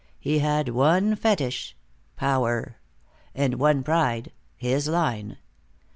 He had one fetish, power. And one pride, his line.